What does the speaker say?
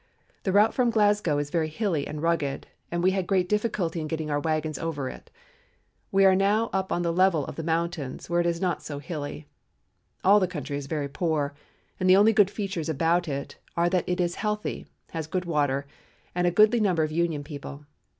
The route from Glasgow is very hilly and rugged, and we had great difficulty in getting our wagons over it. We are now up on the level of the mountains where it is not so hilly. All the country is very poor, and the only good features about it are that it is healthy, has good water, and a goodly number of Union people.